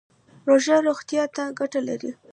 روژه روغتیا ته ګټه لري